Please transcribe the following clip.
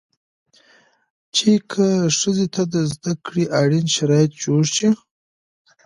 چې که ښځې ته د زده کړې اړين شرايط جوړ شي